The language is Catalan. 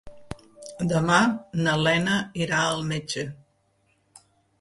Demà na Lena irà al metge.